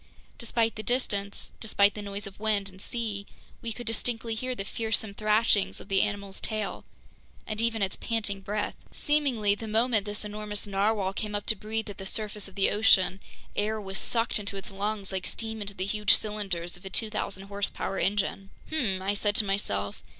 Despite the distance, despite the noise of wind and sea, we could distinctly hear the fearsome thrashings of the animal's tail, and even its panting breath. Seemingly, the moment this enormous narwhale came up to breathe at the surface of the ocean, air was sucked into its lungs like steam into the huge cylinders of a 2,000 horsepower engine. "Hmm!" I said to myself.